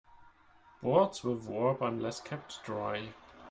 Boards will warp unless kept dry.